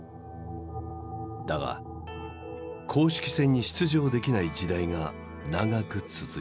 だが公式戦に出場できない時代が長く続いた。